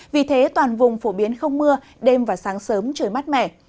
vì thế toàn vùng phổ biến không mưa đêm và sáng sớm trời mát mẻ